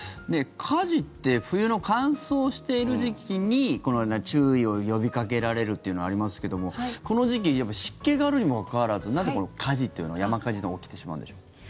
火事って冬の乾燥している時期にこのような注意を呼びかけられるというのはありますけどもこの時期湿気があるにもかかわらずなんで、この火事というのか山火事が起きてしまうんでしょう。